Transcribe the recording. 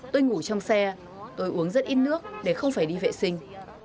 tôi ngủ trong xe tôi uống rất ít nước để không phải đi vệ sinh